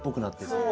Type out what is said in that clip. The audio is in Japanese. そう。